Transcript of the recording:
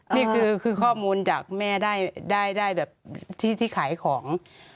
นี่คือข้อมูลจากแม่ได้แบบที่ที่ขายของ